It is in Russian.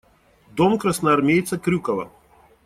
Дом красноармейца Крюкова.